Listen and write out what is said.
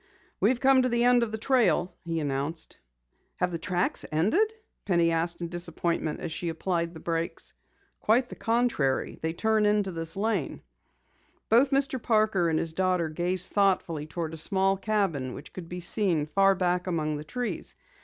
"We've come to the end of the trail," he announced. "Have the tracks ended?" Penny asked in disappointment as she applied brakes. "Quite the contrary. They turn into this lane." Both Mr. Parker and his daughter gazed thoughtfully toward a small cabin which could be seen far back among the trees.